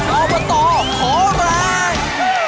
ออเบอร์ตอร์ขอแรง